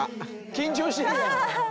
緊張してるやん。